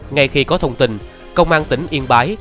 ngay khi có thông tin công an tỉnh yên bái